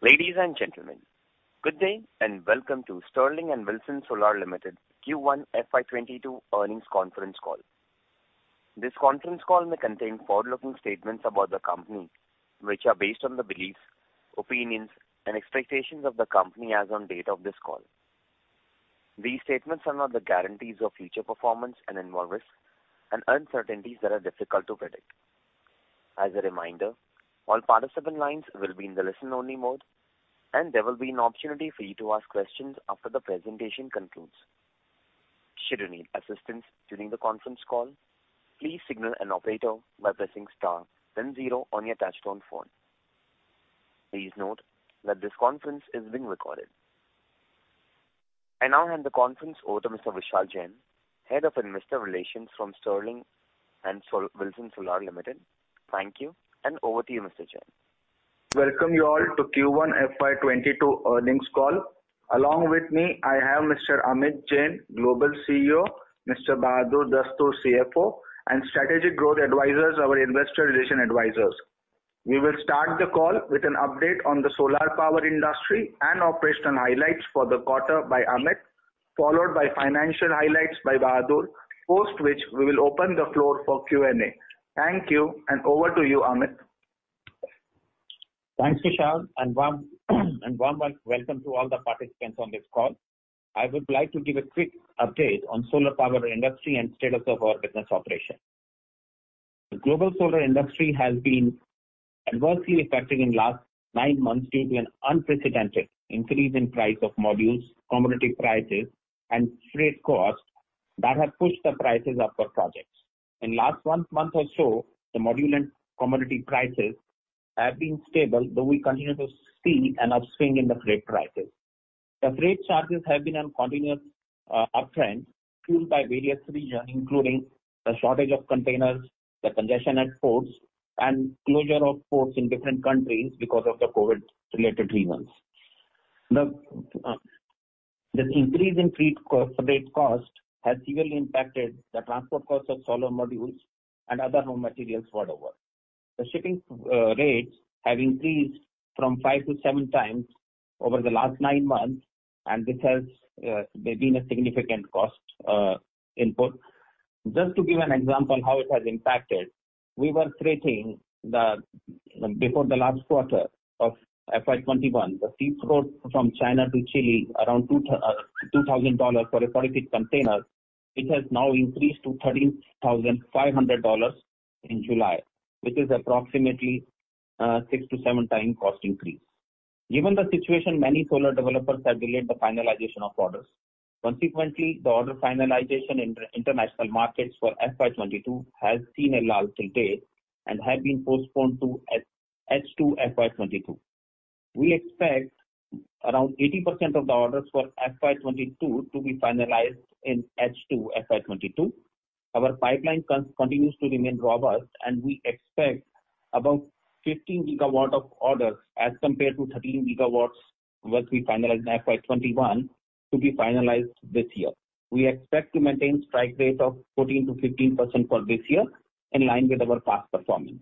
Ladies and gentlemen, good day and welcome to Sterling and Wilson Solar Limited Q1 FY 2022 Earnings Conference Call. This conference call may contain forward-looking statements about the company, which are based on the beliefs, opinions, and expectations of the company as on date of this call. These statements are not the guarantees of future performance and involve risks and uncertainties that are difficult to predict. As a reminder, all participant lines will be in the listen only mode, and there will be an opportunity for you to ask questions after the presentation concludes. Should you need assistance during the conference call, please signal an operator by pressing star then zero on your touchtone phone. Please note that this conference is being recorded. I now hand the conference over to Mr. Vishal Jain, Head of Investor Relations from Sterling and Wilson Solar Limited. Thank you, and over to you, Mr. Jain. Welcome you all to Q1 FY 2022 Earnings Call. Along with me, I have Mr. Amit Jain, Global CEO, Mr. Bahadur Dastoor, CFO, and Strategic Growth Advisors, our investor relation advisors. We will start the call with an update on the solar power industry and operational highlights for the quarter by Amit, followed by financial highlights by Bahadur. Post which, we will open the floor for Q&A. Thank you, over to you, Amit. Thanks, Vishal, and warm welcome to all the participants on this call. I would like to give a quick update on solar power industry and status of our business operation. The global solar industry has been adversely affected in last nine months due to an unprecedented increase in price of modules, commodity prices, and freight cost that have pushed the prices up for projects. In last one month or so, the module and commodity prices have been stable, though we continue to see an upswing in the freight prices. The freight charges have been on continuous uptrend fueled by various reasons, including the shortage of containers, the congestion at ports, and closure of ports in different countries because of the COVID-related reasons. This increase in freight cost has heavily impacted the transport cost of solar modules and other raw materials worldwide. The shipping rates have increased from five to seven times over the last nine months. This has been a significant cost input. Just to give an example how it has impacted. We were freighting before the last quarter of FY 2021, the sea route from China to Chile around $2,000 for a 40 feet container, which has now increased to $13,500 in July, which is approximately six to seven times cost increase. Given the situation, many solar developers have delayed the finalization of orders. Consequently, the order finalization in international markets for FY 2022 has seen a lull till date and have been postponed to H2 FY 2022. We expect around 80% of the orders for FY 2022 to be finalized in H2 FY 2022. Our pipeline continues to remain robust. We expect about 15 gigawatt of orders as compared to 13 gigawatts, which we finalized in FY 2021 to be finalized this year. We expect to maintain strike rate of 14%-15% for this year in line with our past performance.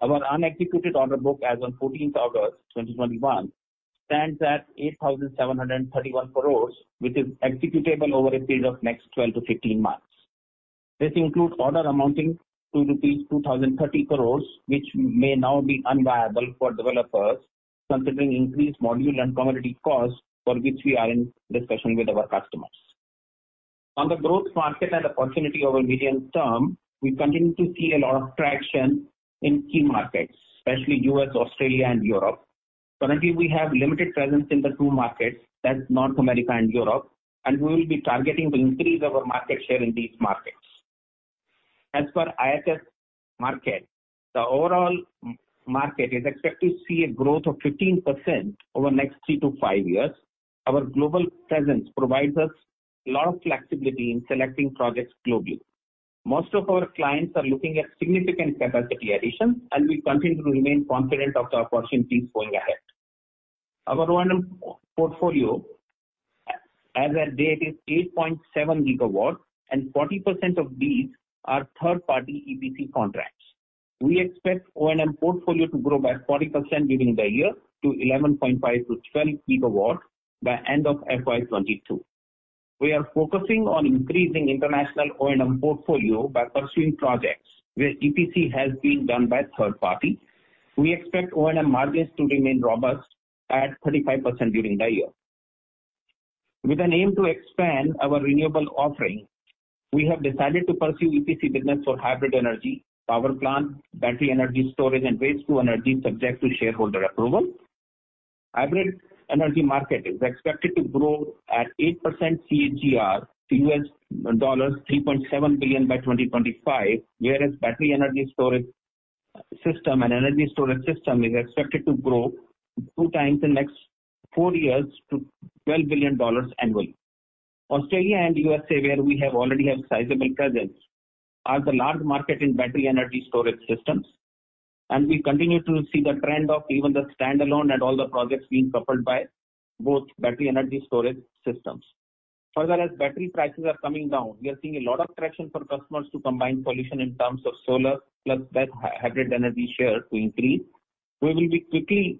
Our unexecuted order book as on 14th August 2021 stands at 8,731 crore, which is executable over a period of next 12-15 months. This includes order amounting to rupees 2,030 crore, which may now be unviable for developers considering increased module and commodity costs for which we are in discussion with our customers. On the growth market and opportunity over medium term, we continue to see a lot of traction in key markets, especially U.S., Australia, and Europe. Currently, we have limited presence in the two markets, that's North America and Europe, and we will be targeting to increase our market share in these markets. As for ISF market, the overall market is expected to see a growth of 15% over next three to five years. Our global presence provides us a lot of flexibility in selecting projects globally. Most of our clients are looking at significant capacity addition, and we continue to remain confident of the opportunities going ahead. Our O&M portfolio as at date is 8.7 GW and 40% of these are third-party EPC contracts. We expect O&M portfolio to grow by 40% during the year to 11.5-12 GW by end of FY 2022. We are focusing on increasing international O&M portfolio by pursuing projects where EPC has been done by a third party. We expect O&M margins to remain robust at 35% during the year. With an aim to expand our renewable offering, we have decided to pursue EPC business for hybrid energy power plant, battery energy storage, and waste to energy, subject to shareholder approval. Hybrid energy market is expected to grow at 8% CAGR to US$3.7 billion by 2025, whereas battery energy storage system and energy storage system is expected to grow two times in next four years to $12 billion annually. Australia and USA, where we already have sizable presence, are the large market in battery energy storage systems. We continue to see the trend of even the standalone and all the projects being proffered by both battery energy storage systems. Further, as battery prices are coming down, we are seeing a lot of traction for customers to combine solution in terms of solar, plus BESS hybrid energy share to increase. We will quickly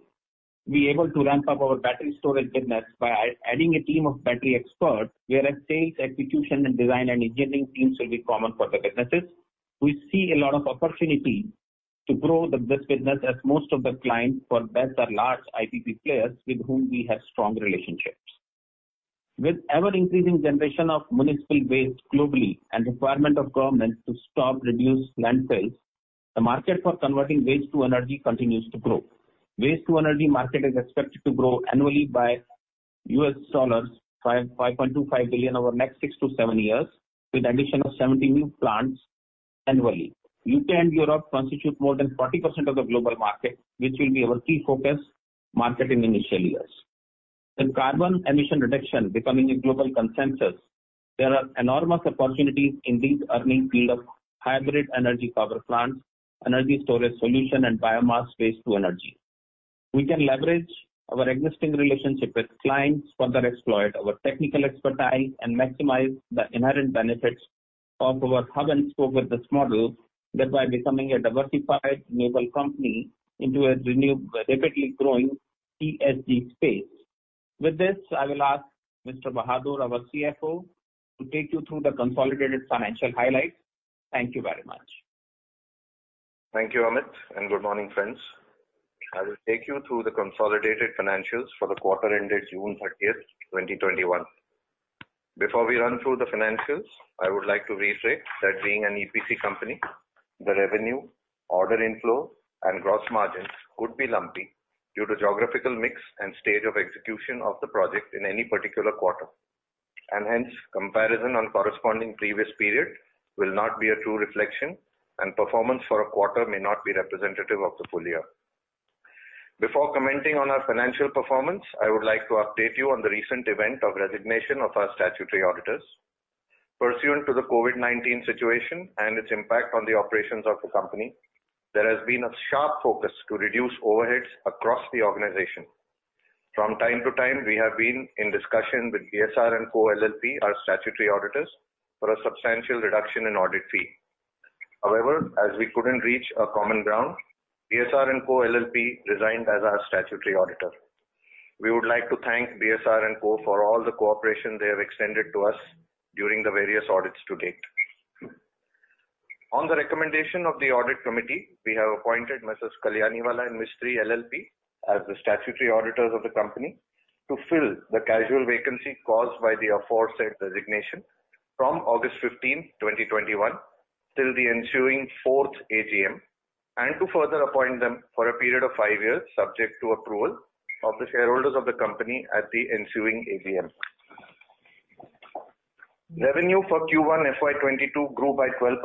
be able to ramp up our battery storage business by adding a team of battery experts, whereas sales, execution, and design and engineering teams will be common for the businesses. We see a lot of opportunity to grow this business, as most of the clients for BESS are large IPP players with whom we have strong relationships. With ever-increasing generation of municipal waste globally and requirement of government to stop reduced landfills, the market for converting waste to energy continues to grow. Waste-to-energy market is expected to grow annually by US$5.25 billion over the next six to seven years, with addition of 70 new plants annually. U.K. and Europe constitute more than 40% of the global market, which will be our key focus market in initial years. With carbon emission reduction becoming a global consensus, there are enormous opportunities in these emerging field of hybrid energy power plants, energy storage solution, and biomass waste-to-energy. We can leverage our existing relationship with clients, further exploit our technical expertise, and maximize the inherent benefits of our hub-and-spoke business model thereby becoming a diversified renewable company into a rapidly growing ESG space. With this, I will ask Mr. Bahadur, our CFO, to take you through the consolidated financial highlights. Thank you very much. Thank you, Amit, and good morning, friends. I will take you through the consolidated financials for the quarter ended June 30th, 2021. Before we run through the financials, I would like to reiterate that being an EPC company, the revenue, order inflow, and gross margins would be lumpy due to geographical mix and stage of execution of the project in any particular quarter. Hence, comparison on corresponding previous period will not be a true reflection, and performance for a quarter may not be representative of the full year. Before commenting on our financial performance, I would like to update you on the recent event of resignation of our statutory auditors. Pursuant to the COVID-19 situation and its impact on the operations of the company, there has been a sharp focus to reduce overheads across the organization. From time to time, we have been in discussion with BSR and Co. LLP, our statutory auditors, for a substantial reduction in audit fee. However, as we couldn't reach a common ground, BSR and Co. LLP resigned as our statutory auditor. We would like to thank BSR & Co. For all the cooperation they have extended to us during the various audits to date. On the recommendation of the audit committee, we have appointed M/s Kalyaniwalla and Mistry LLP as the statutory auditors of the company to fill the casual vacancy caused by the aforesaid resignation from August 15, 2021, till the ensuing fourth AGM, and to further appoint them for a period of five years, subject to approval of the shareholders of the company at the ensuing AGM. Revenue for Q1 FY22 grew by 12%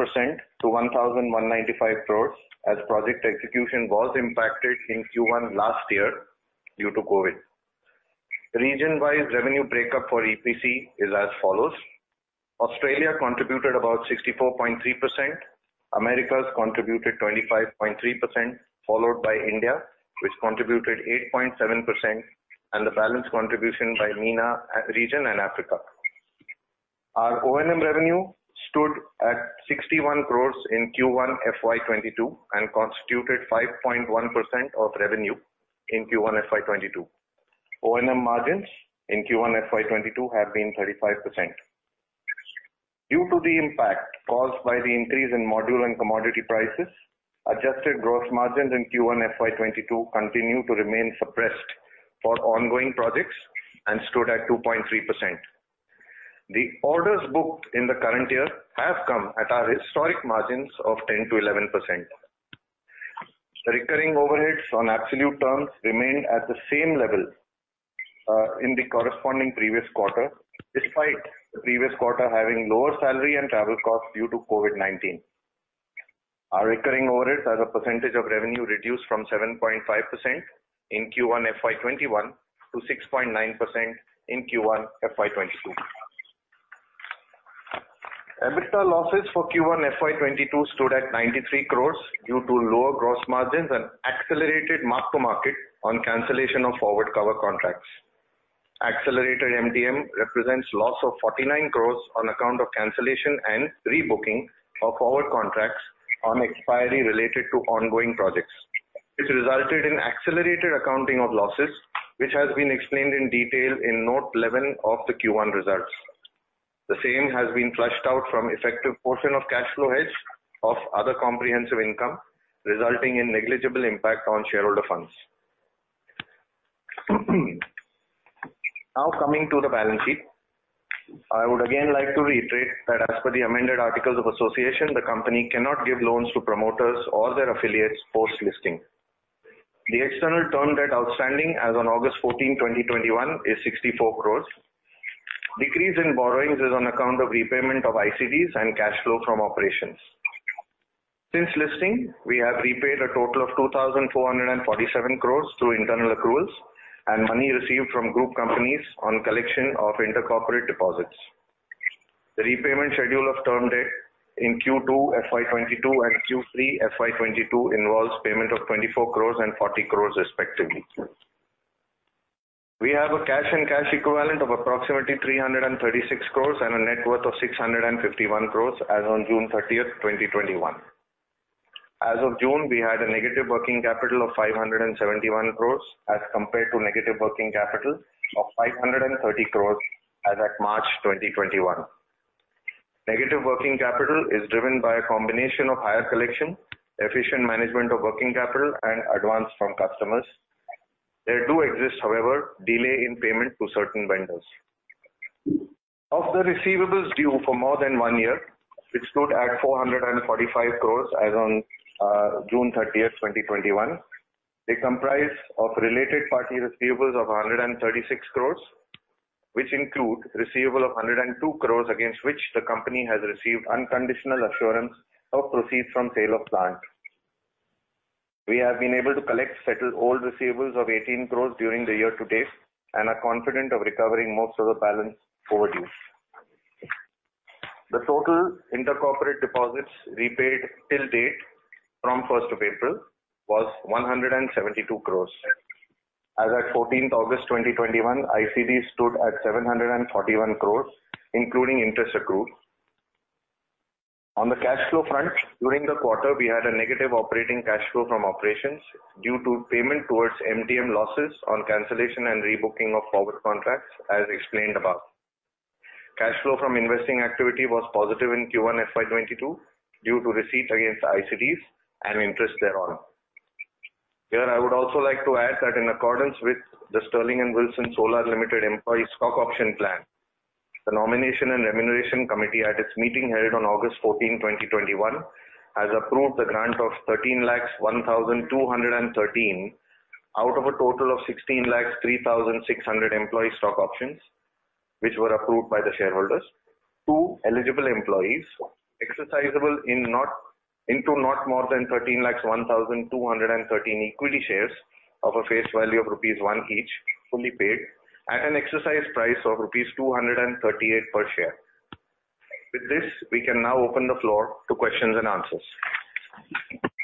to 1,195 crore as project execution was impacted in Q1 last year due to COVID. Region-wise revenue break-up for EPC is as follows. Australia contributed about 64.3%, Americas contributed 25.3%, followed by India, which contributed 8.7%, and the balance contribution by MENA region and Africa. Our O&M revenue stood at 61 crore in Q1 FY 2022 and constituted 5.1% of revenue in Q1 FY 2022. O&M margins in Q1 FY 2022 have been 35%. Due to the impact caused by the increase in module and commodity prices, adjusted gross margins in Q1 FY 2022 continue to remain suppressed for ongoing projects and stood at 2.3%. The orders booked in the current year have come at our historic margins of 10%-11%. Recurring overheads on absolute terms remained at the same level in the corresponding previous quarter, despite the previous quarter having lower salary and travel costs due to COVID-19. Our recurring overheads as a percentage of revenue reduced from 7.5% in Q1 FY 2021 to 6.9% in Q1 FY 2022. EBITDA losses for Q1 FY 2022 stood at 93 crore due to lower gross margins and accelerated mark to market on cancellation of forward cover contracts. Accelerated M2M represents loss of 49 crore on account of cancellation and rebooking of forward contracts on expiry related to ongoing projects. This resulted in accelerated accounting of losses, which has been explained in detail in note 11 of the Q1 results. The same has been flushed out from effective portion of cash flow hedge of other comprehensive income, resulting in negligible impact on shareholder funds. Coming to the balance sheet. I would again like to reiterate that as per the amended articles of association, the company cannot give loans to promoters or their affiliates post-listing. The external term debt outstanding as on August 14, 2021 is 64 crore. Decrease in borrowings is on account of repayment of ICDs and cash flow from operations. Since listing, we have repaid a total of 2,447 crore through internal accruals and money received from group companies on collection of Inter-Corporate Deposits. The repayment schedule of term debt in Q2 FY 2022 and Q3 FY 2022 involves payment of 24 crore and 40 crore respectively. We have a cash and cash equivalent of approximately 336 crore and a net worth of 651 crore as on June 30th, 2021. As of June, we had a negative working capital of 571 crore as compared to negative working capital of 530 crore as at March 2021. Negative working capital is driven by a combination of higher collection, efficient management of working capital, and advance from customers. There do exist, however, delay in payment to certain vendors. Of the receivables due for more than one year, which stood at 445 crore as on June 30th, 2021, they comprise of related party receivables of 136 crore, which include receivable of 102 crore against which the company has received unconditional assurance of proceeds from sale of plant. We have been able to collect settled old receivables of 18 crore during the year to date and are confident of recovering most of the balance overdue. The total intercorporate deposits repaid till date from 1st of April was 172 crore. As at 14th August 2021, ICD stood at 741 crore, including interest accrued. On the cash flow front, during the quarter, we had a negative operating cash flow from operations due to payment towards MTM losses on cancellation and rebooking of forward contracts, as explained above. Cash flow from investing activity was positive in Q1 FY22 due to receipt against ICDs and interest thereon. Here, I would also like to add that in accordance with the Sterling and Wilson Solar Limited Employee Stock Option Plan, the nomination and remuneration committee at its meeting held on August 14, 2021, has approved the grant of 13,001,213 out of a total of 16,03,600 employee stock options, which were approved by the shareholders. Two eligible employees, exercisable into not more than 13,01,213 equity shares of a face value of rupees 1 each, fully paid at an exercise price of rupees 238 per share. With this, we can now open the floor to questions and answers.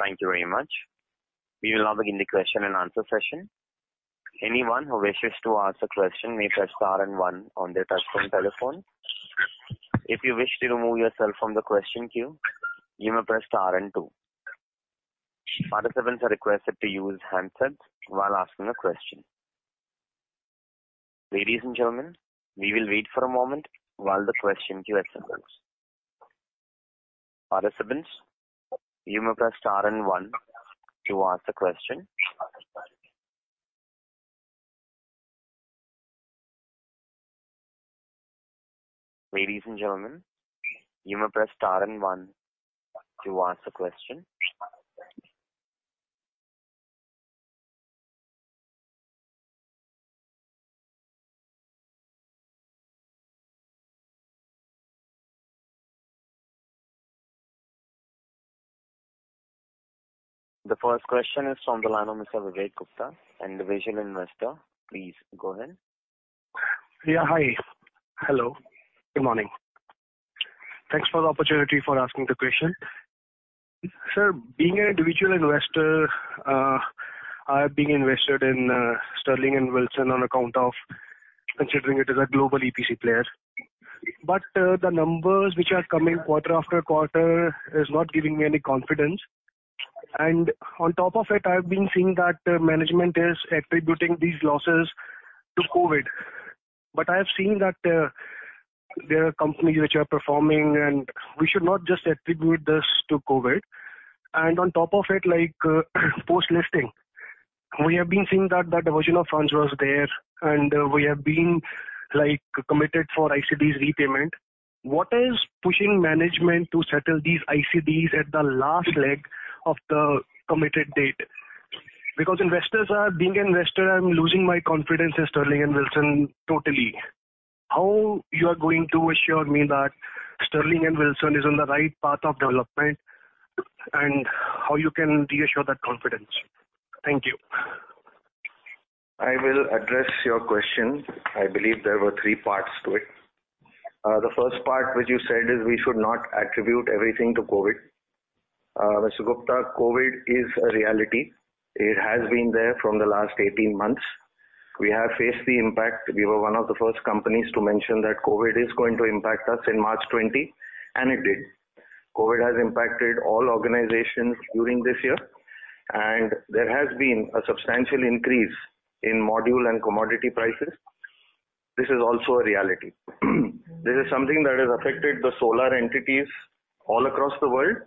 Thank you very much. We will now begin the question and answer session. The first question is from the line of Mr. Vivek Gupta, an individual investor. Please go ahead. Yeah, hi. Hello. Good morning. Thanks for the opportunity for asking the question. Sir, being an individual investor, I've been invested in Sterling and Wilson on account of considering it as a global EPC player. The numbers which are coming quarter after quarter is not giving me any confidence. On top of it, I've been seeing that management is attributing these losses to COVID, but I have seen that there are companies which are performing, and we should not just attribute this to COVID. On top of it, like post-listing, we have been seeing that diversion of funds was there, and we have been committed for ICDs repayment. What is pushing management to settle these ICDs at the last leg of the committed date? Because being investor, I'm losing my confidence in Sterling and Wilson totally. How you are going to assure me that Sterling and Wilson is on the right path of development, and how you can reassure that confidence? Thank you. I will address your question. I believe there were three parts to it. The first part, which you said is we should not attribute everything to COVID. Mr. Gupta, COVID is a reality. It has been there from the last 18 months. We have faced the impact. We were one of the first companies to mention that COVID is going to impact us in March 2020, and it did. COVID has impacted all organizations during this year, and there has been a substantial increase in module and commodity prices. This is also a reality. This is something that has affected the solar entities all across the world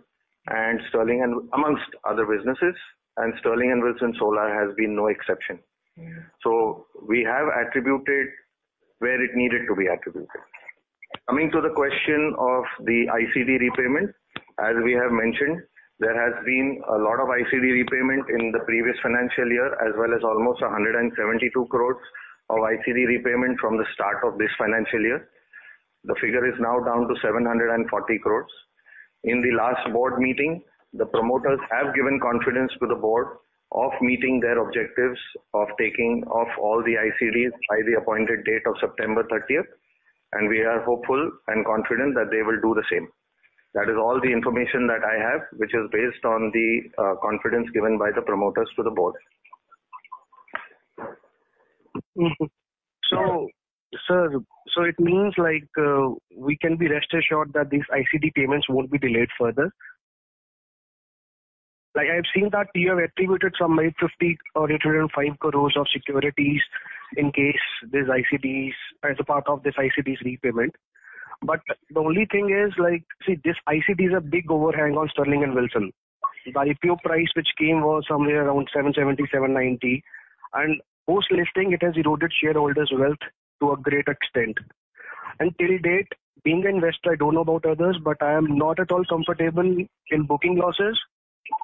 amongst other businesses, and Sterling and Wilson Solar has been no exception. We have attributed where it needed to be attributed. Coming to the question of the ICD repayment, as we have mentioned, there has been a lot of ICD repayment in the previous financial year, as well as almost 172 crore of ICD repayment from the start of this financial year. The figure is now down to 740 crore. In the last board meeting, the promoters have given confidence to the board of meeting their objectives of taking off all the ICDs by the appointed date of September 30th, and we are hopeful and confident that they will do the same. That is all the information that I have, which is based on the confidence given by the promoters to the board. It means we can be rest assured that these ICD payments won't be delayed further. I've seen that you have attributed some 150 crore or 105 crore of securities in case there's ICDs as a part of this ICD's repayment. The only thing is, see, this ICD is a big overhang on Sterling and Wilson. The IPO price which came was somewhere around 770, 790, and post-listing, it has eroded shareholders' wealth to a great extent. Till date, being an investor, I don't know about others, but I am not at all comfortable in booking losses,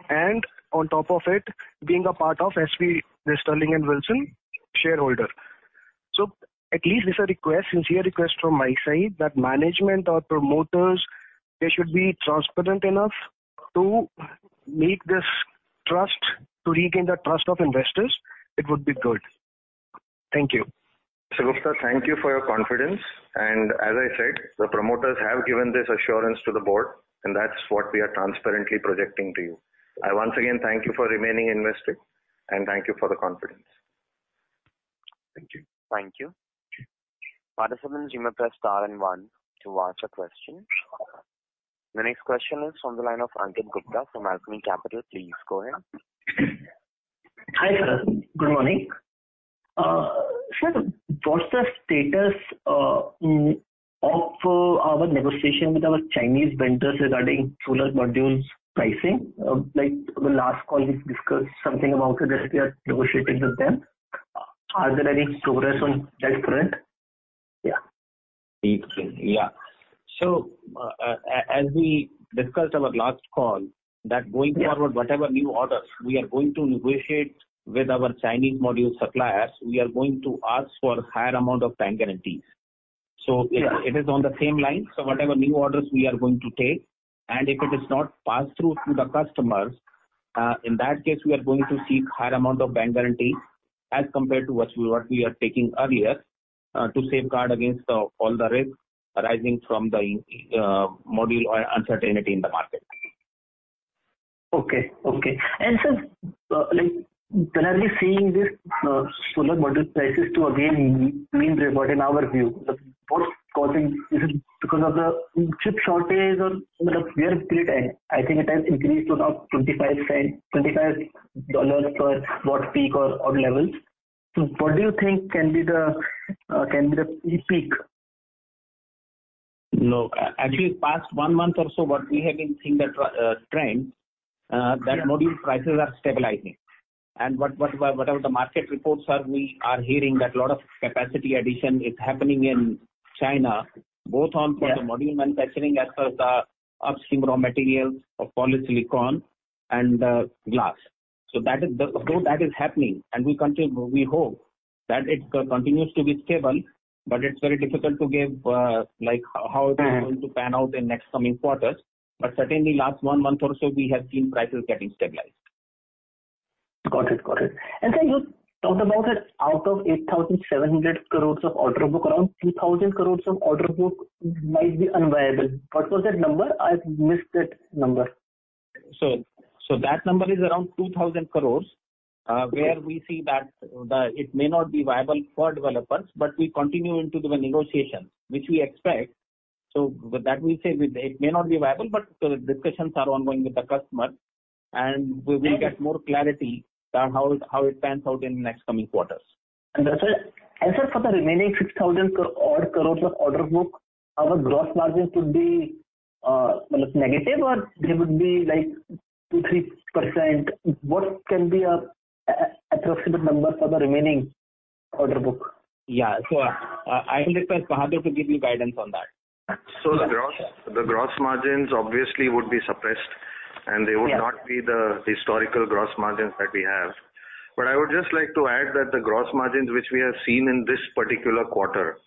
and on top of it, being a part of S&W, the Sterling and Wilson shareholder. At least it's a sincere request from my side that management or promoters, they should be transparent enough to make this trust, to regain the trust of investors. It would be good. Thank you. Mr. Gupta, thank you for your confidence. As I said, the promoters have given this assurance to the board, That's what we are transparently projecting to you. I once again thank you for remaining invested, Thank you for the confidence. Thank you. Thank you. Participants, you may press star and one to ask a question. The next question is on the line of Ankit Gupta from Alchemy Capital. Please go ahead. Hi, sir. Good morning. Sir, what's the status of our negotiation with our Chinese vendors regarding solar modules pricing? Like in the last call, we discussed something about that we are negotiating with them. Is there any progress on that front? Yeah. As we discussed in our last call, that going forward, whatever new orders we are going to negotiate with our Chinese module suppliers, we are going to ask for higher amount of bank guarantees. It is on the same line. Whatever new orders we are going to take, and if it is not passed through to the customers, in that case, we are going to seek higher amount of bank guarantee as compared to what we were taking earlier, to safeguard against all the risks arising from the module or uncertainty in the market. Okay. Sir, generally seeing these solar module prices to again mean revert in our view, what's causing this? Is it because of the chip shortage or where it end? I think it has increased to now $25 per watt peak or levels. What do you think can be the peak? Actually, past one month or so, what we have been seeing the trend, that module prices are stabilizing. Whatever the market reports are, we are hearing that a lot of capacity addition is happening in China, both on for the module manufacturing as well as the upstream raw materials of polysilicon and glass. That is happening, and we hope that it continues to be stable, but it's very difficult to give how it is going to pan out in next coming quarters. Certainly last one month or so, we have seen prices getting stabilized. Got it. Sir, you talked about that out of 8,700 crore of order book, around 2,000 crore of order book might be unviable. What was that number? I missed that number. That number is around 2,000 crore, where we see that it may not be viable for developers, but we continue into the negotiation, which we expect. With that we say it may not be viable, but discussions are ongoing with the customer, and we will get more clarity on how it pans out in next coming quarters. Sir, for the remaining 6,000 odd crore of order book, our gross margins would be negative, or they would be like 2%-3%? What can be an approximate number for the remaining order book? Yeah. I will request Bahadur to give you guidance on that. The gross margins obviously would be suppressed, and they would not be the historical gross margins that we have. I would just like to add that the gross margins which we have seen in this particular quarter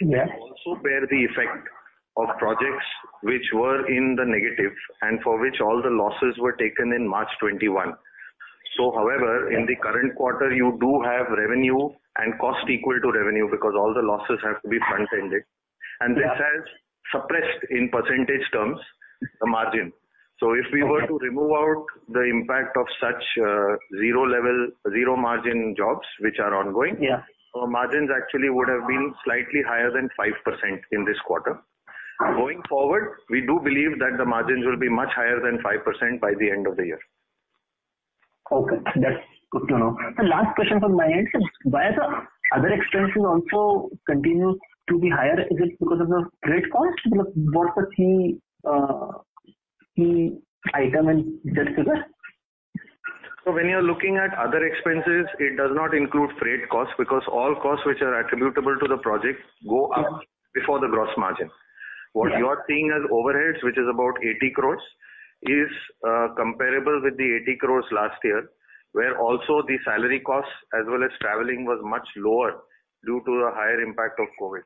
also bear the effect of projects which were in the negative, and for which all the losses were taken in March 2021. However, in the current quarter, you do have revenue and cost equal to revenue because all the losses have to be front-ended, and this has suppressed, in percentage terms, the margin. If we were to remove out the impact of such zero level, zero margin jobs which are ongoing. Yeah. Margins actually would have been slightly higher than 5% in this quarter. Going forward, we do believe that the margins will be much higher than 5% by the end of the year. Okay. That's good to know. The last question from my end, sir. Why are the other expenses also continue to be higher? Is it because of the freight cost? What's the key item in that figure? When you're looking at other expenses, it does not include freight costs because all costs which are attributable to the project go out before the gross margin. What you are seeing as overheads, which is about 80 crore, is comparable with the 80 crore last year, where also the salary costs as well as traveling was much lower due to the higher impact of COVID.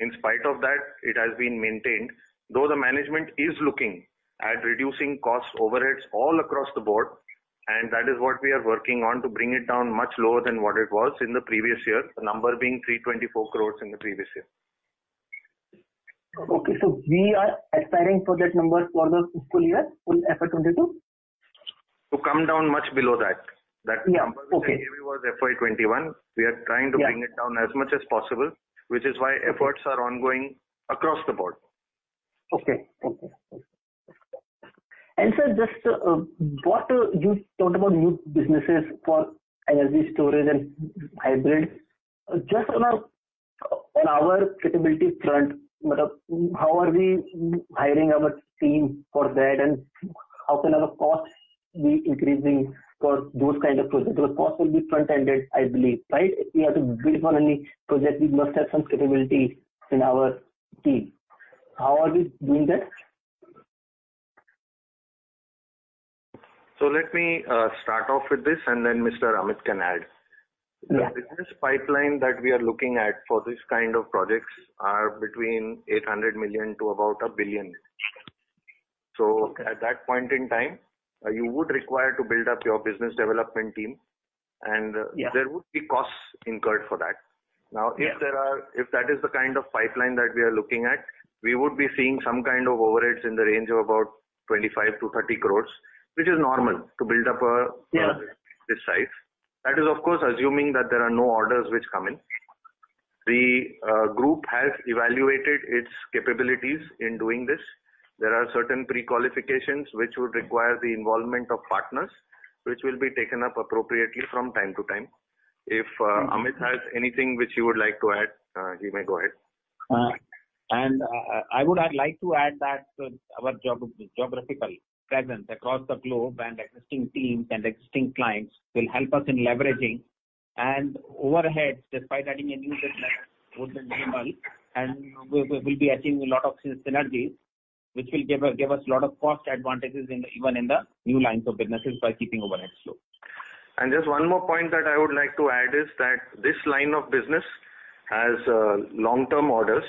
In spite of that, it has been maintained, though the management is looking at reducing cost overheads all across the board, and that is what we are working on to bring it down much lower than what it was in the previous year, the number being 324 crore in the previous year. Okay. We are aspiring for that number for the full year, full FY 2022? To come down much below that. Yeah. Okay. That number that we gave you was FY 2021. We are trying to bring it down as much as possible, which is why efforts are ongoing across the board. Okay. Sir, you talked about new businesses for energy storage and hybrid. Just on our capability front, how are we hiring our team for that and how can our costs be increasing for those kind of projects? Those costs will be front ended, I believe. Right? We have to bid on any project, we must have some capability in our team. How are we doing that? Let me start off with this and then Mr. Amit can add. Yeah. The business pipeline that we are looking at for this kind of projects are between 800 million to about 1 billion. Okay. At that point in time, you would require to build up your business development team, and there would be costs incurred for that. Yeah. If that is the kind of pipeline that we are looking at, we would be seeing some kind of overheads in the range of about 25 crore-30 crore, which is normal to build up a project this size. That is, of course, assuming that there are no orders which come in. The group has evaluated its capabilities in doing this. There are certain pre-qualifications which would require the involvement of partners, which will be taken up appropriately from time to time. If Amit has anything which he would like to add, he may go ahead. I would like to add that our geographical presence across the globe and existing teams and existing clients will help us in leveraging. Overheads, despite adding a new business, would be minimal, and we'll be achieving a lot of synergies, which will give us a lot of cost advantages even in the new lines of businesses by keeping overheads low. Just one more point that I would like to add is that this line of business has long-term orders.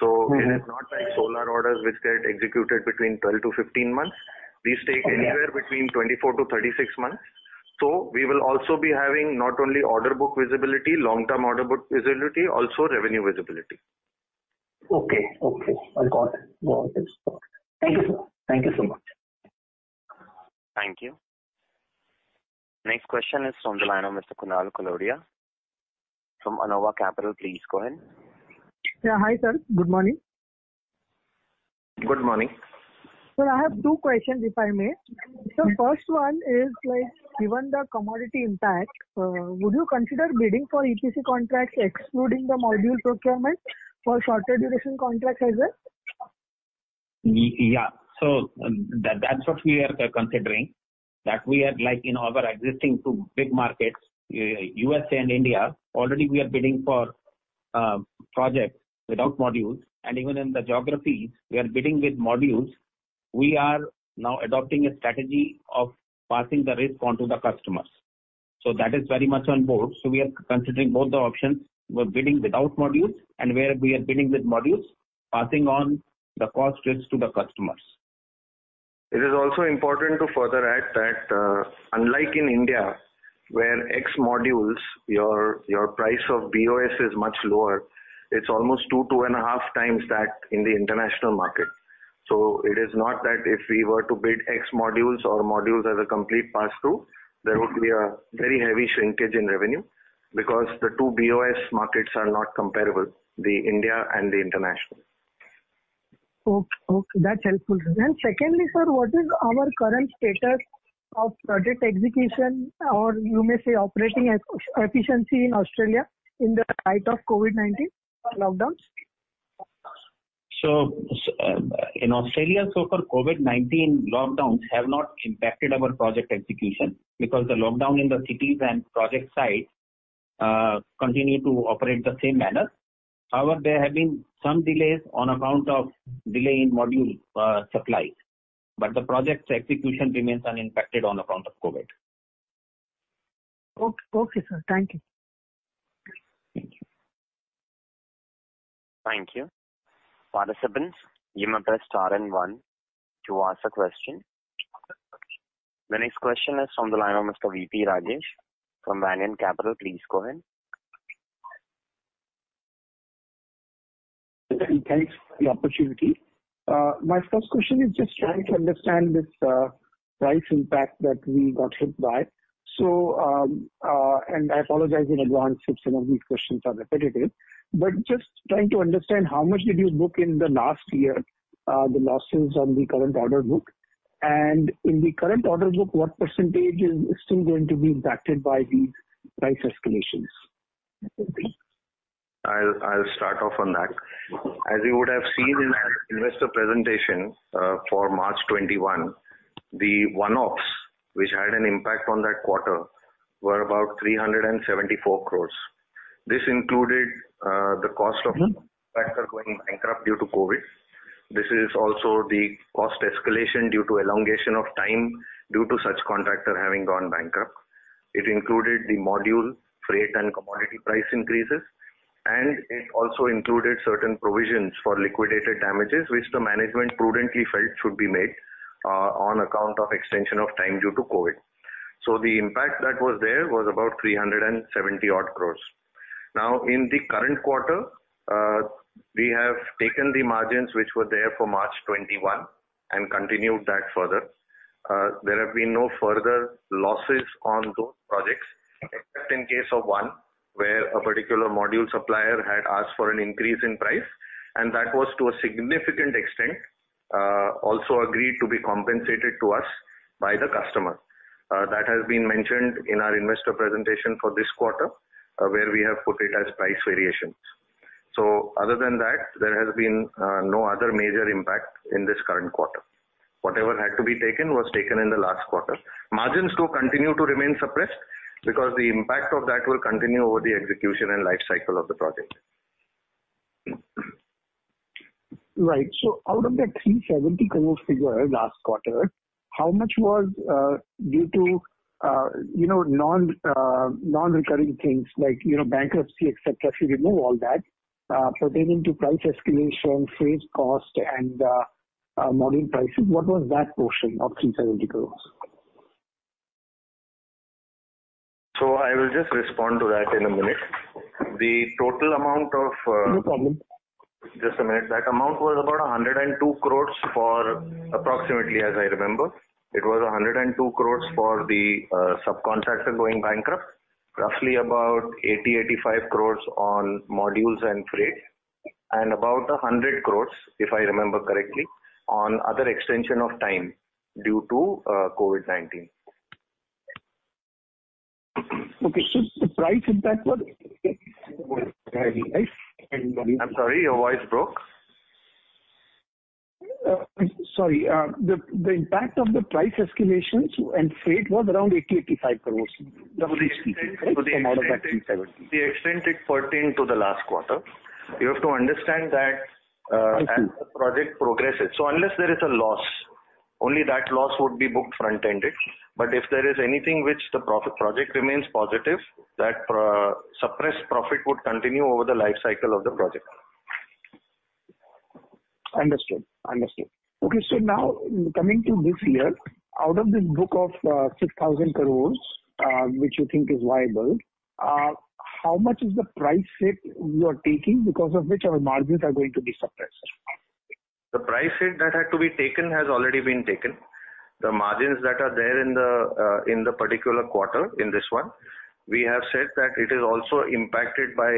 It is not like solar orders which get executed between 12-15 months. These take anywhere between 24-36 months. We will also be having not only order book visibility, long-term order book visibility, also revenue visibility. Okay. I got it. Thank you so much. Thank you. Next question is from the line of Mr. Kunal Koladiya from Anova Capital. Please go ahead. Yeah. Hi, sir. Good morning. Good morning. Sir, I have two questions, if I may. Sir, first one is, given the commodity impact, would you consider bidding for EPC contracts excluding the module procurement for shorter duration contracts as well? Yeah. That's what we are considering. We are, in our existing two big markets, U.S.A. and India, already we are bidding for projects without modules, and even in the geographies we are bidding with modules. We are now adopting a strategy of passing the risk onto the customers. That is very much on board. We are considering both the options. We're bidding without modules, and where we are bidding with modules, passing on the cost risks to the customers. It is also important to further add that, unlike in India, where ex modules, your price of BOS is much lower. It's almost 2-2.5 times that in the international market. It is not that if we were to bid ex modules or modules as a complete pass through, there would be a very heavy shrinkage in revenue because the two BOS markets are not comparable, the India and the international. Okay. That's helpful. Secondly, sir, what is our current status of project execution or you may say, operating efficiency in Australia in the light of COVID-19 lockdowns? In Australia, so far COVID-19 lockdowns have not impacted our project execution because the lockdown in the cities and project sites continue to operate the same manner. However, there have been some delays on account of delay in module supplies, but the project's execution remains unimpacted on account of COVID. Okay, sir. Thank you. Thank you. Thank you. Participants, you may press star and one to ask a question. The next question is from the line of Mr. VP Rajesh from Banyan Capital. Please go ahead. Thanks for the opportunity. My first question is just trying to understand this price impact that we got hit by. I apologize in advance if some of these questions are repetitive. Just trying to understand how much did you book in the last year, the losses on the current order book. In the current order book, what percentage is still going to be impacted by these price escalations? I'll start off on that. As you would have seen in our investor presentation for March 2021, the one-offs which had an impact on that quarter were about 374 crore. This included the cost going bankrupt due to COVID. This is also the cost escalation due to elongation of time due to such contractor having gone bankrupt. It included the module freight and commodity price increases, and it also included certain provisions for liquidated damages, which the management prudently felt should be made on account of extension of time due to COVID. The impact that was there was about 370 odd crore. In the current quarter, we have taken the margins which were there for March 2021 and continued that further. There have been no further losses on those projects, except in case of one where a particular module supplier had asked for an increase in price, and that was to a significant extent also agreed to be compensated to us by the customer. That has been mentioned in our investor presentation for this quarter, where we have put it as price variations. Other than that, there has been no other major impact in this current quarter. Whatever had to be taken was taken in the last quarter. Margins though continue to remain suppressed because the impact of that will continue over the execution and life cycle of the project. Right. Out of that 370 crore figure last quarter, how much was due to non-recurring things like bankruptcy, et cetera, if you remove all that pertaining to price escalation, freight cost and module pricing? What was that portion of 370 crore? I will just respond to that in a minute. The total amount of- No problem. Just a minute. That amount was about 102 crore for approximately, as I remember. It was 102 crore for the subcontractor going bankrupt, roughly about 80-85 crore on modules and freight, and about 100 crore, if I remember correctly, on other extension of time due to COVID-19. Okay. The price impact was- I'm sorry, your voice broke. Sorry. The impact of the price escalations and freight was around 80-85 crore. Roughly speaking, right? From out of that INR 370. The extent it pertained to the last quarter. You have to understand that. Thank you. As the project progresses. Unless there is a loss, only that loss would be booked front-ended. If there is anything which the project remains positive, that suppressed profit would continue over the life cycle of the project. Understood. Okay. Now coming to this year, out of this book of 6,000 crore, which you think is viable, how much is the price hit you are taking because of which our margins are going to be suppressed? The price hit that had to be taken has already been taken. The margins that are there in the particular quarter, in this one, we have said that it is also impacted by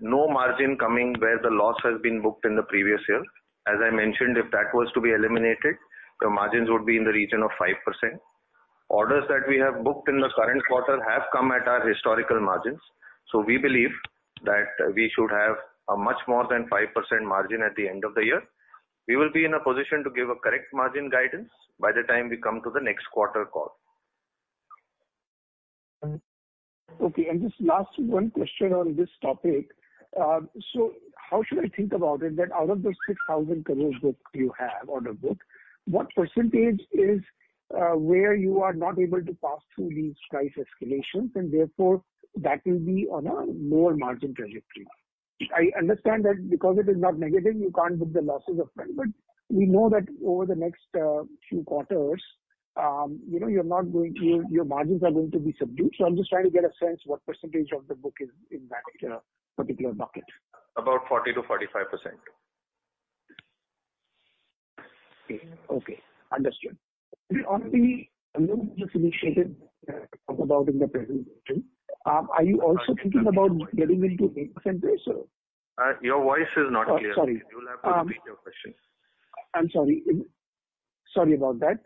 no margin coming where the loss has been booked in the previous year. As I mentioned, if that was to be eliminated, the margins would be in the region of 5%. Orders that we have booked in the current quarter have come at our historical margins. We believe that we should have a much more than 5% margin at the end of the year. We will be in a position to give a correct margin guidance by the time we come to the next quarter call. Okay, just last one question on this topic. How should I think about it, that out of the 6,000 crore book you have on the book, what % is where you are not able to pass through these price escalations, and therefore that will be on a lower margin trajectory? I understand that because it is not negative, you can't book the losses up front. We know that over the next few quarters, your margins are going to be subdued. I'm just trying to get a sense what % of the book is in that particular bucket. About 40%-45%. Okay. Understood. The new business initiatives you talked about in the presentation, are you also thinking about getting into data centers or? Your voice is not clear. Oh, sorry. You'll have to repeat your question. I'm sorry about that.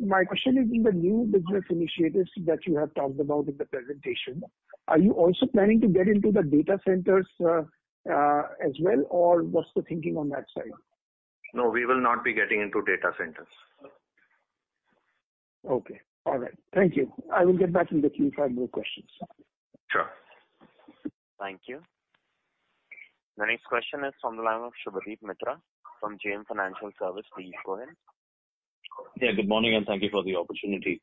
My question is, in the new business initiatives that you have talked about in the presentation, are you also planning to get into the data centers as well, or what's the thinking on that side? No, we will not be getting into data centers. Okay. All right. Thank you. I will get back in the queue if I have more questions. Sure. Thank you. The next question is from the line of Subhadip Mitra from JM Financial Service. Please go ahead. Yeah, good morning, and thank you for the opportunity.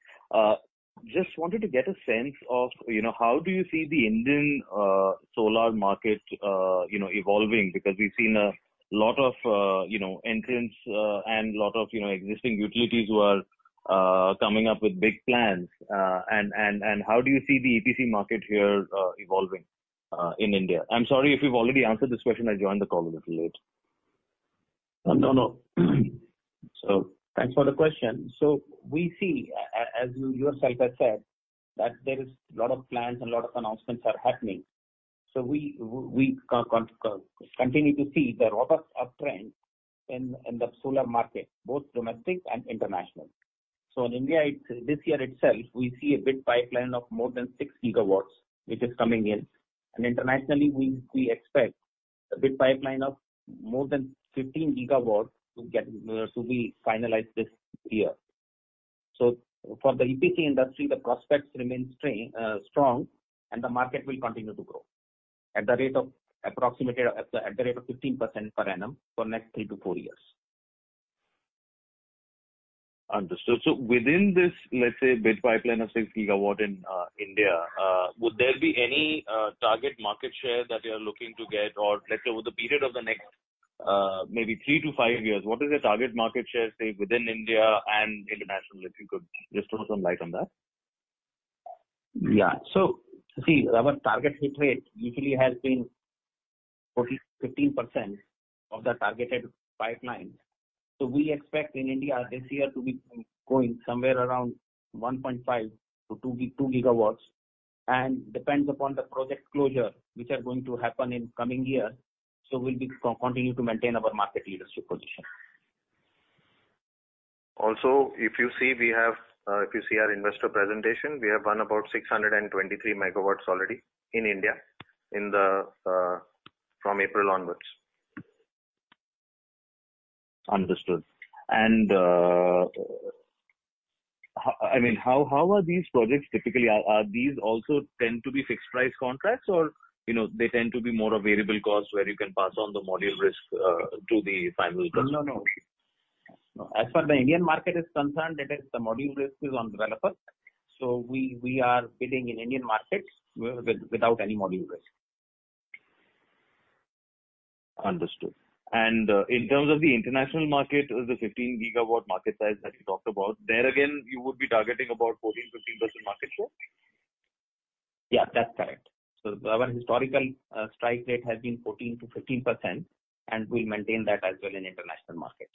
Just wanted to get a sense of how do you see the Indian solar market evolving, because we've seen a lot of entrants and lot of existing utilities who are coming up with big plans. How do you see the EPC market here evolving in India? I'm sorry if you've already answered this question. I joined the call a little late. No. Thanks for the question. We see, as you yourself have said, that there is a lot of plans and a lot of announcements are happening. We continue to see the robust uptrend in the solar market, both domestic and international. In India this year itself, we see a bid pipeline of more than 6 GW, which is coming in. Internationally, we expect a bid pipeline of more than 15 GW to be finalized this year. For the EPC industry, the prospects remain strong and the market will continue to grow at the rate of approximately 15% per annum for next three to four years. Understood. Within this, let's say, bid pipeline of 6 GW in India, would there be any target market share that you're looking to get? Let's say, over the period of the next maybe three to five years, what is the target market share, say, within India and international? If you could just throw some light on that. See, our target hit rate usually has been 14, 15% of the targeted pipeline. We expect in India this year to be going somewhere around 1.5-2 GW, and depends upon the project closure which are going to happen in coming year. We'll continue to maintain our market leadership position. If you see our investor presentation, we have won about 623 MW already in India from April onwards. Understood. Do these also tend to be fixed price contracts, or they tend to be more of variable cost where you can pass on the module risk to the final customer? No. As far the Indian market is concerned, the module risk is on developer. We are bidding in Indian markets without any module risk. Understood. In terms of the international market, the 15 GW market size that you talked about, there again, you would be targeting about 14%-15% market share? Yeah, that's correct. Our historical strike rate has been 14%-15%, and we'll maintain that as well in international markets.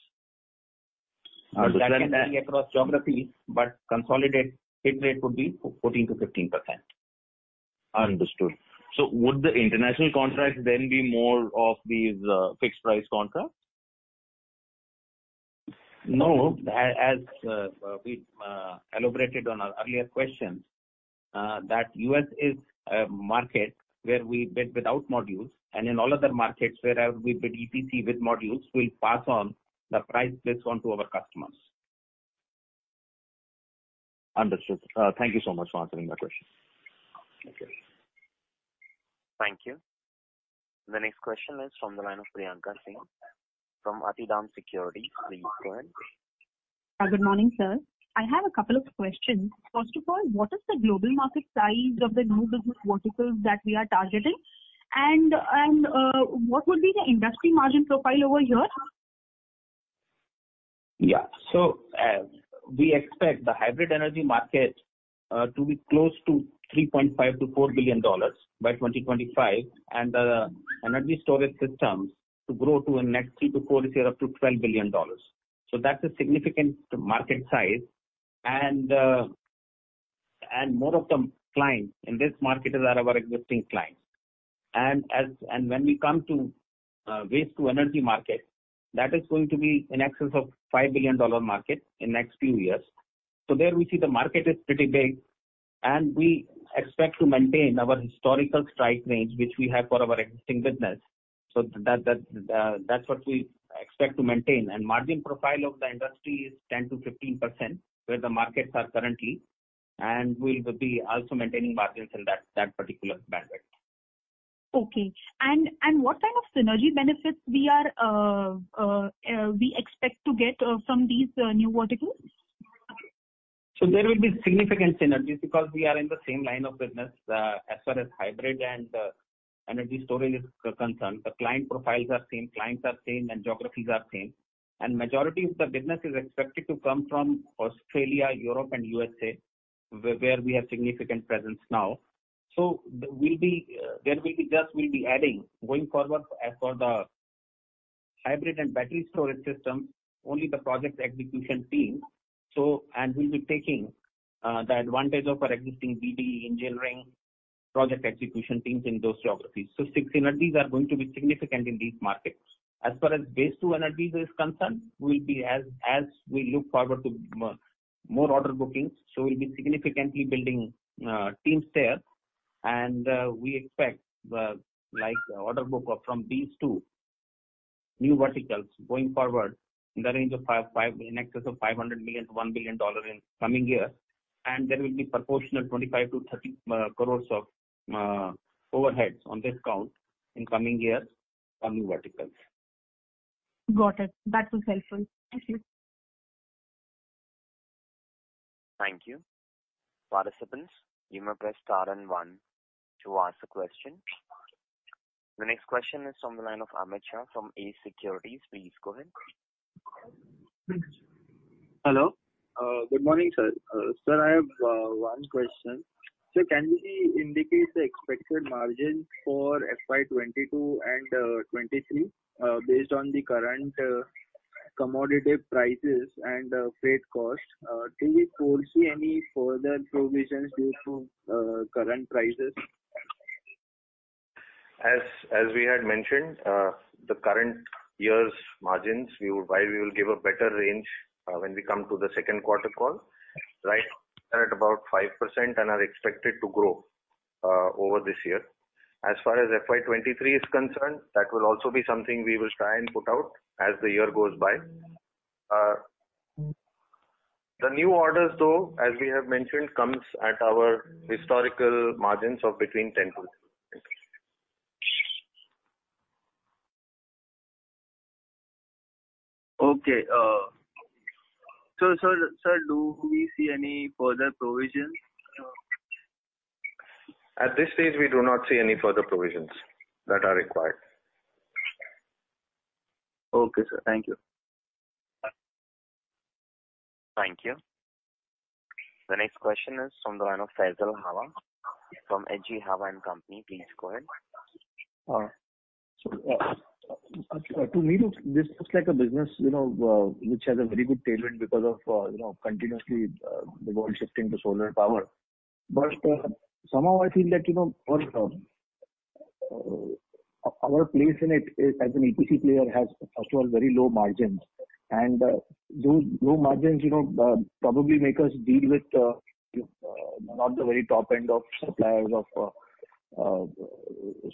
Understood. That can vary across geographies, but consolidated hit rate would be 14%-15%. Understood. Would the international contracts then be more of these fixed price contracts? No. As we elaborated on our earlier questions, that U.S. is a market where we bid without modules, and in all other markets, wherever we bid EPC with modules, we'll pass on the price risk onto our customers. Understood. Thank you so much for answering my question. Okay. Thank you. The next question is from the line of Priyanka Singh from Arihant Securities. Please go ahead. Good morning, sir. I have a couple of questions. First of all, what is the global market size of the new business verticals that we are targeting? What would be the industry margin profile over here? We expect the hybrid energy market to be close to $3.5 billion-$4 billion by 2025, and the energy storage systems to grow to a next three to four years up to $12 billion. That's a significant market size, and most of the clients in this market are our existing clients. When we come to waste to energy market, that is going to be in excess of $5 billion market in next few years. There we see the market is pretty big, and we expect to maintain our historical strike range, which we have for our existing business. That's what we expect to maintain. Margin profile of the industry is 10%-15% where the markets are currently, and we'll be also maintaining margins in that particular bandwidth. Okay. What kind of synergy benefits we expect to get from these new verticals? There will be significant synergies because we are in the same line of business as far as hybrid and energy storage is concerned. The client profiles are same, clients are same, and geographies are same. Majority of the business is expected to come from Australia, Europe and U.S.A., where we have significant presence now. There we'll be just adding, going forward for the hybrid and battery storage system, only the project execution team. We'll be taking the advantage of our existing BD engineering project execution teams in those geographies. Synergies are going to be significant in these markets. As far as waste to energy is concerned, as we look forward to more order bookings, so we'll be significantly building teams there. We expect order book from these two new verticals going forward in excess of $500 million-$1 billion in coming year. There will be proportional 25 crore-30 crore of overheads on this count in coming years on new verticals. Got it. That was helpful. Thank you. Thank you. The next question is on the line of Amit Shah from Ace Securities. Please go ahead. Hello. Good morning, sir. Sir, I have one question. Sir, can you indicate the expected margin for FY 2022 and 2023 based on the current commodity prices and freight cost? Do we foresee any further provisions due to current prices? As we had mentioned, the current year's margins, why we will give a better range when we come to the second quarter call. Right now we're at about 5% and are expected to grow. Over this year. As far as FY 2023 is concerned, that will also be something we will try and put out as the year goes by. The new orders, though, as we have mentioned, comes at our historical margins of between 10%-12%. Okay. Sir, do we see any further provisions? At this stage, we do not see any further provisions that are required. Okay, sir. Thank you. Thank you. The next question is from the line of Faisal Hawa from H.G. Hawa and Company. Please go ahead. To me, this looks like a business which has a very good tailwind because of continuously the world shifting to solar power. Somehow I feel like our place in it as an EPC player has, first of all, very low margins. Those low margins probably make us deal with not the very top end of suppliers of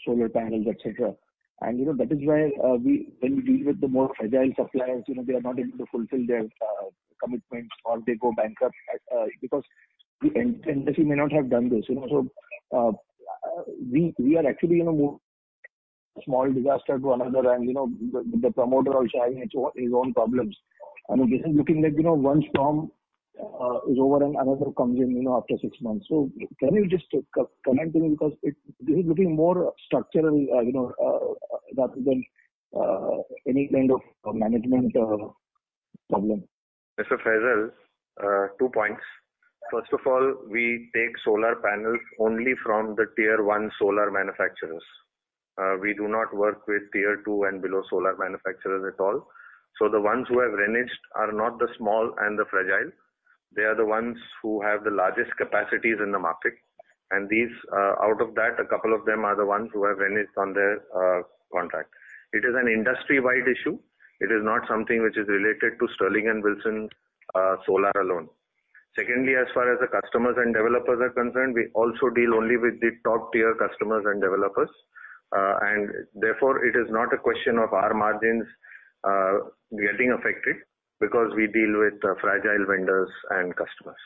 solar panels, et cetera. That is why when we deal with the more fragile suppliers, they are not able to fulfill their commitments or they go bankrupt because the industry may not have done this. We are actually in a small disaster to another and the promoter also having his own problems, and it is looking like one storm is over and another comes in after six months. Can you just comment on it? Because this is looking more structural rather than any kind of management problem. Mr. Faisal, two points. First of all, we take solar panels only from the tier 1 solar manufacturers. We do not work with tier 2 and below solar manufacturers at all. The ones who have reneged are not the small and the fragile. They are the ones who have the largest capacities in the market. Out of that, two of them are the ones who have reneged on their contract. It is an industry-wide issue. It is not something which is related to Sterling and Wilson Solar alone. Secondly, as far as the customers and developers are concerned, we also deal only with the top-tier customers and developers. Therefore, it is not a question of our margins getting affected because we deal with fragile vendors and customers.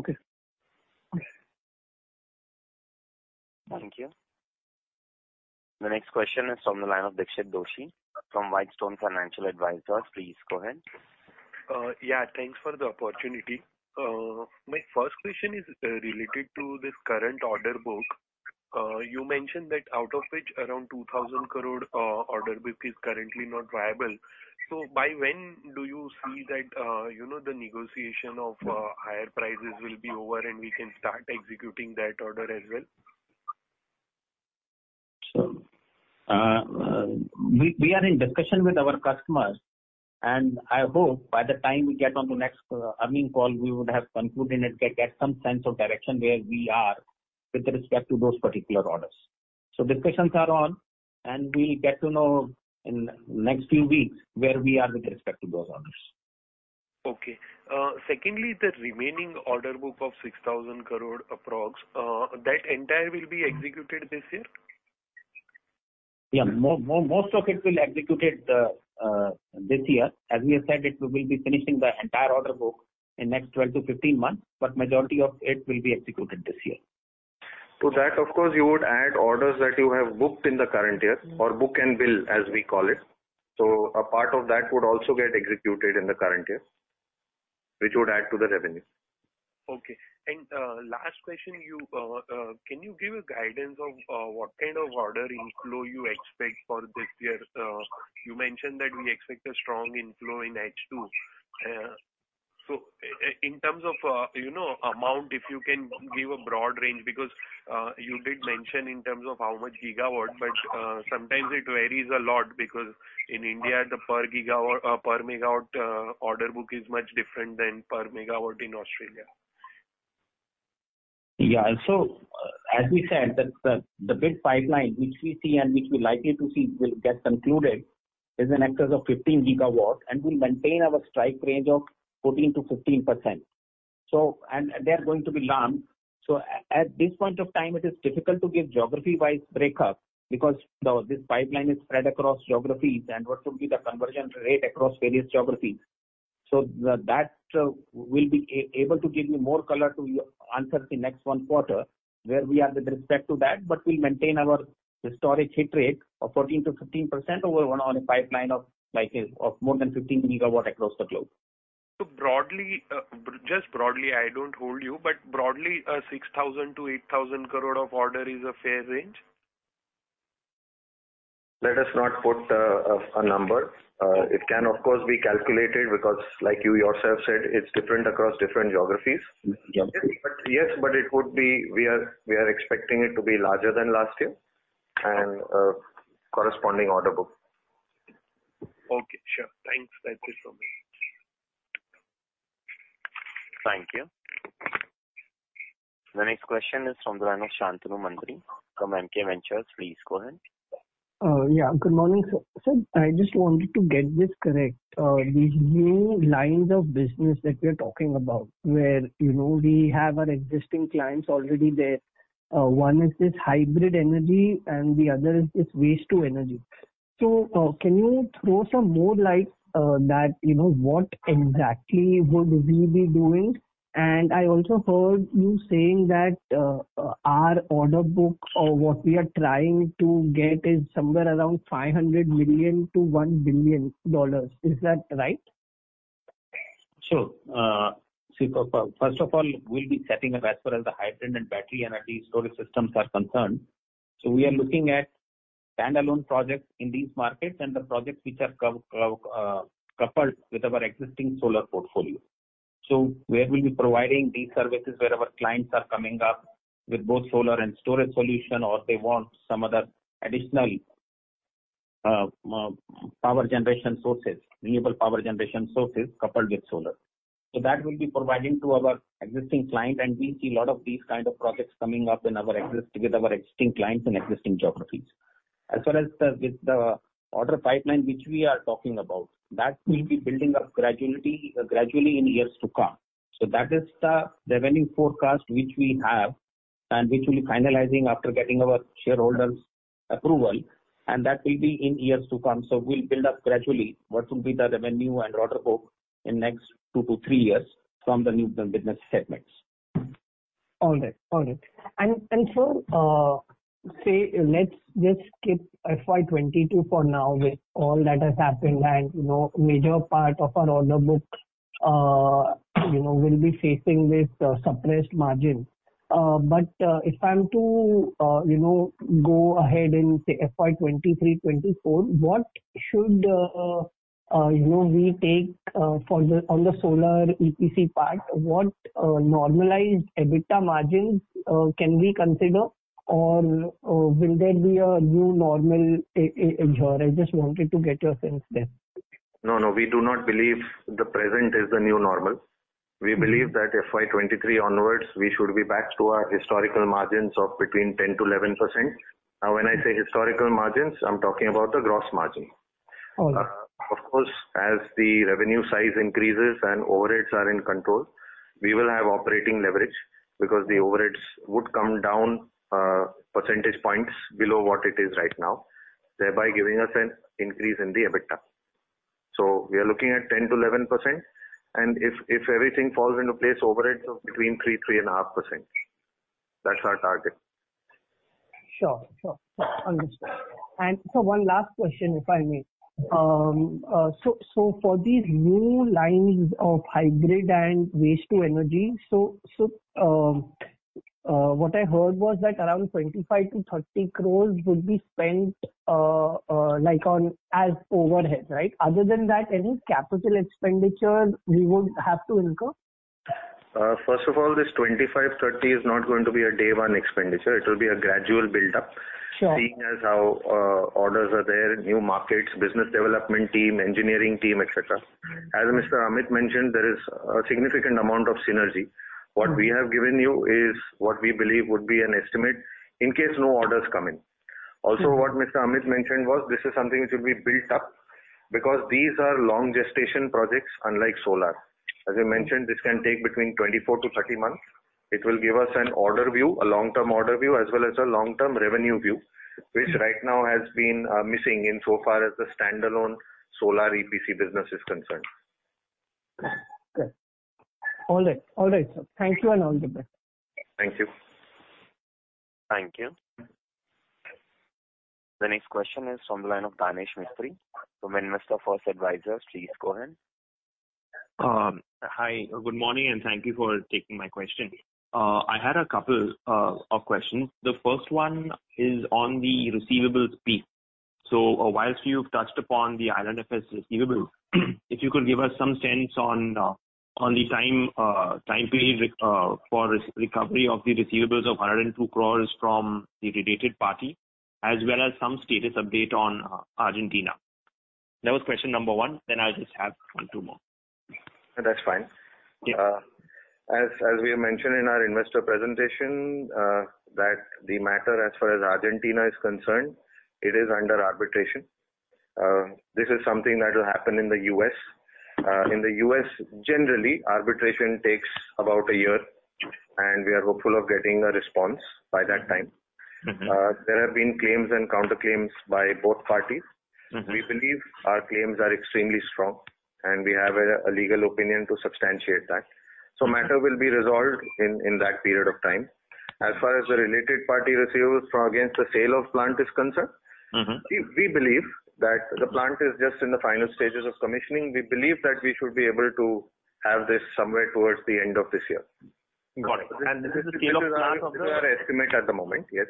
Okay. Thank you. The next question is from the line of Dixit Doshi from Whitestone Financial Advisors. Please go ahead. Yeah, thanks for the opportunity. My first question is related to this current order book. You mentioned that out of which around 2,000 crore order book is currently not viable. By when do you see that the negotiation of higher prices will be over and we can start executing that order as well? We are in discussion with our customers, and I hope by the time we get on the next earning call, we would have concluded and get some sense of direction where we are with respect to those particular orders. Discussions are on, and we'll get to know in the next few weeks where we are with respect to those orders. Okay. Secondly, the remaining order book of 6,000 crore approx., that entire will be executed this year? Yeah. Most of it will be executed this year. As we have said, we will be finishing the entire order book in the next 12-15 months, but the majority of it will be executed this year. To that, of course, you would add orders that you have booked in the current year or book and bill, as we call it. A part of that would also get executed in the current year, which would add to the revenue. Okay. Last question, can you give a guidance of what kind of order inflow you expect for this year? You mentioned that we expect a strong inflow in H2. In terms of amount, if you can give a broad range, because you did mention in terms of how much gigawatt, but sometimes it varies a lot because in India, the per megawatt order book is much different than per megawatt in Australia. Yeah. As we said, the bid pipeline which we see and which we likely to see will get concluded is an excess of 15 GW, and we maintain our strike range of 14%-15%. They're going to be large. At this point of time, it is difficult to give geography-wise breakup because this pipeline is spread across geographies and what will be the conversion rate across various geographies. That we'll be able to give you more color to answer the next one quarter where we are with respect to that. We'll maintain our historic hit rate of 14%-15% over one on a pipeline of more than 15 GW across the globe. Just broadly, I don't hold you, but broadly, 6,000 crore-8,000 crore of order is a fair range? Let us not put a number. It can, of course, be calculated because like you yourself said, it is different across different geographies. Yes, we are expecting it to be larger than last year and a corresponding order book. Okay, sure. Thanks. That's it from me. Thank you. The next question is from the line of Shantanu Mantri from MK Ventures. Please go ahead. Good morning, sir. Sir, I just wanted to get this correct. These new lines of business that we're talking about, where we have our existing clients already there. One is this hybrid energy and the other is this waste to energy. Can you throw some more light that, what exactly would we be doing? I also heard you saying that our order book or what we are trying to get is somewhere around $500 million-$1 billion. Is that right? Sure. First of all, we'll be setting up as far as the hybrid and battery energy storage systems are concerned. We are looking at standalone projects in these markets and the projects which are coupled with our existing solar portfolio. Where we'll be providing these services, where our clients are coming up with both solar and storage solution, or they want some other additional power generation sources, renewable power generation sources coupled with solar. That we'll be providing to our existing client, and we see a lot of these kind of projects coming up with our existing clients in existing geographies. With the order pipeline, which we are talking about, that we'll be building up gradually in years to come. That is the revenue forecast which we have and which we'll be finalizing after getting our shareholders' approval, and that will be in years to come. We'll build up gradually what will be the revenue and order book in next two to three years from the new business segments. All right. Sir, say, let's just skip FY 2022 for now with all that has happened and major part of our order book will be facing this suppressed margin. If I'm to go ahead in, say, FY 2023, FY 2024, what should we take on the solar EPC part? What normalized EBITDA margins can we consider, or will there be a new normal here? I just wanted to get your sense there. We do not believe the present is the new normal. We believe that FY 2023 onwards, we should be back to our historical margins of between 10%-11%. When I say historical margins, I'm talking about the gross margin. All right. Of course, as the revenue size increases and overheads are in control, we will have operating leverage because the overheads would come down percentage points below what it is right now, thereby giving us an increase in the EBITDA. We are looking at 10%-11%, and if everything falls into place, overheads of between 3%-3.5%. That's our target. Sure. Understood. Sir, one last question, if I may. For these new lines of hybrid and waste to energy, what I heard was that around 25-INR30 crore would be spent as overhead, right? Other than that, any capital expenditure we would have to incur? First of all, this 25, 30 is not going to be a day one expenditure. It will be a gradual build-up. Sure. Seeing as how orders are there, new markets, business development team, engineering team, et cetera. As Mr. Amit mentioned, there is a significant amount of synergy. What we have given you is what we believe would be an estimate in case no orders come in. What Mr. Amit mentioned was this is something which will be built up because these are long gestation projects, unlike solar. As I mentioned, this can take between 24 to 30 months. It will give us an order view, a long-term order view, as well as a long-term revenue view, which right now has been missing insofar as the standalone solar EPC business is concerned. Good. All right. Thank you, and all the best. Thank you. Thank you. The next question is from the line of Danesh Mistry from Investor First Advisors. Please go ahead. Hi, good morning, and thank you for taking my question. I had a couple of questions. The first one is on the receivables piece. Whilst you've touched upon the IL&FS receivables, if you could give us some sense on the time period for recovery of the receivables of 102 crore from the related party, as well as some status update on Argentina. That was question number one. I'll just have two more. That's fine. Yeah. As we have mentioned in our investor presentation, that the matter as far as Argentina is concerned, it is under arbitration. This is something that will happen in the U.S. In the U.S., generally, arbitration takes about a year, and we are hopeful of getting a response by that time. There have been claims and counterclaims by both parties. We believe our claims are extremely strong, and we have a legal opinion to substantiate that. Matter will be resolved in that period of time. As far as the related party receivables against the sale of plant is concerned. We believe that the plant is just in the final stages of commissioning. We believe that we should be able to have this somewhere towards the end of this year. Got it. This is the scale of plant of. This is our estimate at the moment, yes.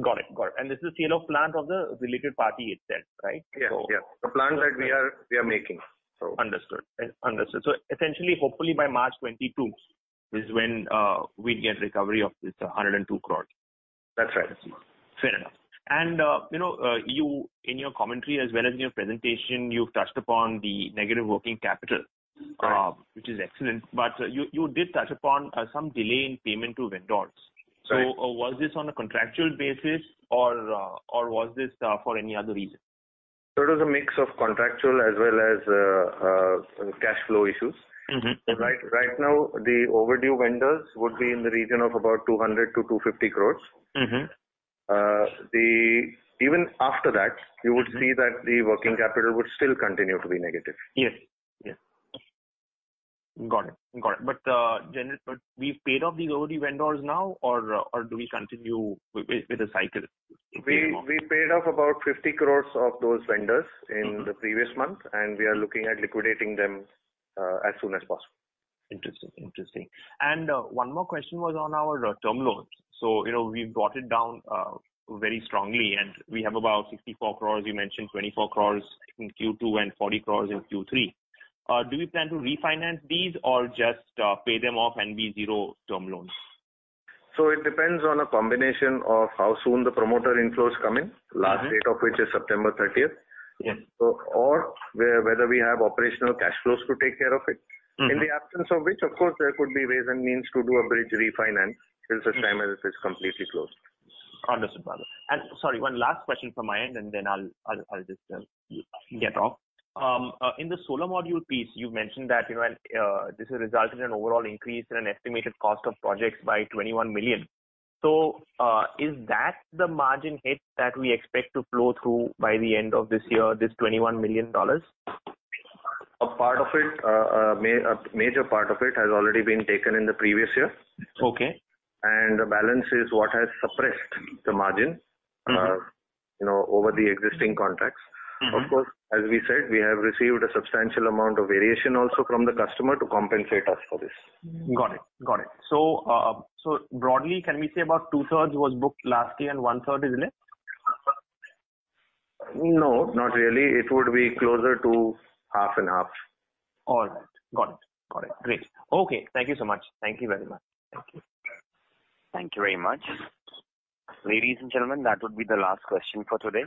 Got it. This is scale of plant of the related party itself, right? Yes. The plant that we are making. Understood. Essentially, hopefully by March 2022 is when we'll get recovery of this 102 crore. That's right. Fair enough. In your commentary as well as in your presentation, you've touched upon the negative working capital. Correct. Which is excellent. You did touch upon some delay in payment to vendors. Right. Was this on a contractual basis or was this for any other reason? It was a mix of contractual as well as cash flow issues. Right now, the overdue vendors would be in the region of about 200 crore-250 crore. Even after that, you would see that the working capital would still continue to be negative. Yes. Got it. We've paid off the overdue vendors now or do we continue with the cycle? We paid off about 50 crore of those vendors in the previous month, and we are looking at liquidating them as soon as possible. Interesting. One more question was on our term loans. We've brought it down very strongly, and we have about 64 crore, you mentioned 24 crore in Q2 and 40 crore in Q3. Do we plan to refinance these or just pay them off and be zero term loans? It depends on a combination of how soon the promoter inflow is coming, last date of which is September 30th. Yes. Whether we have operational cash flows to take care of it. In the absence of which, of course, there could be ways and means to do a bridge refinance till such time as it is completely closed. Understood, Bahadur. Sorry, one last question from my end, and then I'll just get off. In the solar module piece, you mentioned that this has resulted in an overall increase in an estimated cost of projects by $21 million. Is that the margin hit that we expect to flow through by the end of this year, this $21 million? A major part of it has already been taken in the previous year. Okay. The balance is what has suppressed the margin over the existing contracts. Of course, as we said, we have received a substantial amount of variation also from the customer to compensate us for this. Got it. Broadly, can we say about two-thirds was booked last year and one-third is left? No, not really. It would be closer to half and half. All right. Got it. Great. Okay, thank you so much. Thank you very much. Thank you. Thank you very much. Ladies and gentlemen, that would be the last question for today.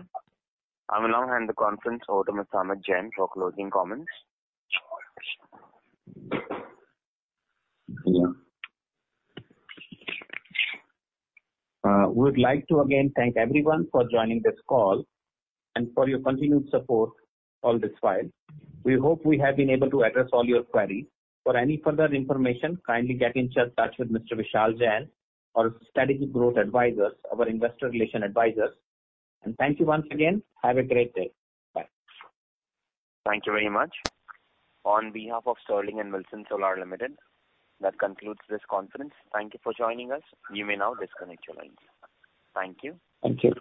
I will now hand the conference over to Mr. Amit Jain for closing comments. We would like to again thank everyone for joining this call and for your continued support all this while. We hope we have been able to address all your queries. For any further information, kindly get in touch with Mr. Vishal Jain, our Strategic Growth Advisors, our investor relation advisors. Thank you once again. Have a great day. Bye. Thank you very much. On behalf of Sterling and Wilson Solar Limited, that concludes this conference. Thank you for joining us. You may now disconnect your lines. Thank you. Thank you.